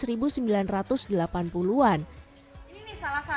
ini nih salah satu kuliner legendarisnya kota semarang